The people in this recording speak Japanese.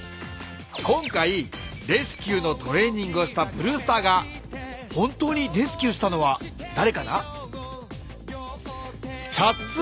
今回レスキューのトレーニングをしたブルースターが本当にレスキューしたのはだれかな？